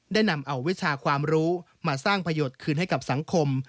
นำเอาวิชาความรู้มาสร้างประโยชน์คืนให้กับสังคม